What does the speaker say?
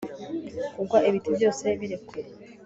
Kugwa ibiti byose birekuye